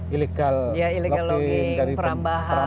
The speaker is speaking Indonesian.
ilegal logging perambahan